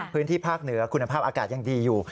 พื้นที่ภาคเหนือคุณภาพอากาศยังดีอยู่